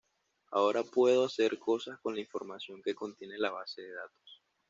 Ahora puedo hacer cosas con la información que contiene la base de datos.